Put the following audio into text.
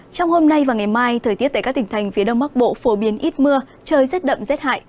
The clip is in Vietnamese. trong hôm nay và ngày mai thời tiết tại các tỉnh thành phía đông bắc bộ phổ biến ít mưa trời rét đậm rét hại